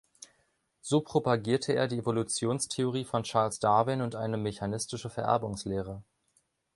So propagierte er die Evolutionstheorie von Charles Darwin und eine mechanistische Vererbungslehre.